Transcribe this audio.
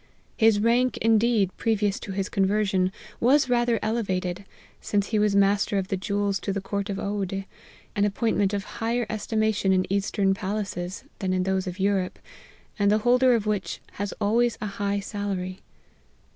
His rank, indeed, previous to his convex sion, was rather elevated, since he was master of the jewels to the court of Oude, an appointment of higher estimation in eastern palaces, than in those of Europe, and the holder of which has always a high salary.